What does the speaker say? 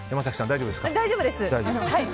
大丈夫ですか？